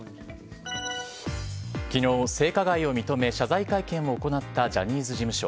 昨日、性加害を認め謝罪会見を行ったジャニーズ事務所。